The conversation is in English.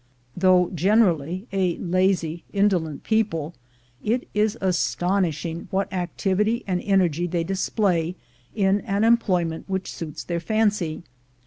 Though generally a lazy, indolent people, it is astonishing what activity and energy they display in an employment which suits their fancy.